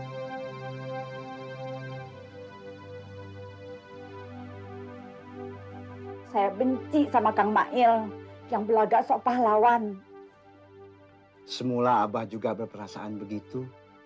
sebaiknya ini sudah van richard tahu